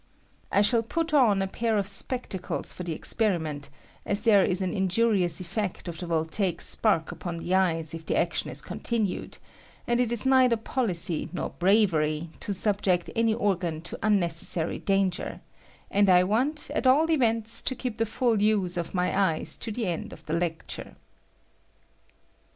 I shall put on a I pair of spectacles for the experiment, as there r is an injurious effect of the voltaic spark upon I the eyes if the action is continued, and it is V neither policy nor bravery to subject any or gan to unnecessary danger, and I want, at all , events, to keep the full use of my eyes to the ' end of the lecture.